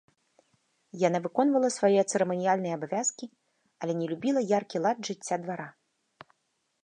Яна выконвала свае цырыманіяльныя абавязкі, але не любіла яркі лад жыцця двара.